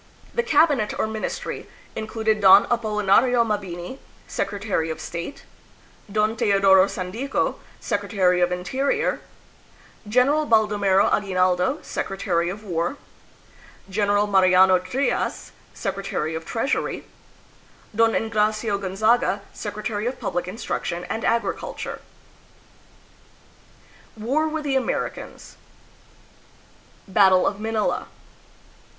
The cabinet, or ministry, included Don Apolinario Mabini, secretary of state ; Don Teodoro Sandico, secretary of interior ; General Baldo mero Aguinaldo, secretary of war; General Mariano Trias, secretary of treasury ; Don Engracio Gonzaga, secretary of public instruction and agriculture. War with the Americans. Battle of Manila.